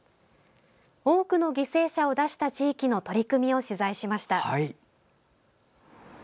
多くの犠牲者を出した地域の取り組みを取材しました。